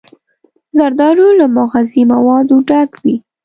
زردالو له مغذي موادو ډک وي.